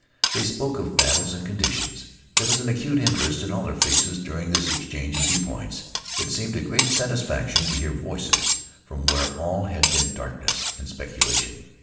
They spoke of battles and conditions. There was an acute interest in all their faces during this exchange of view points. It seemed a great satisfaction to hear voices from where all had been darkness and speculation.